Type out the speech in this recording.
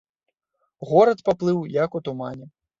Горад паплыў як у тумане.